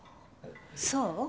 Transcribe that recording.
そう？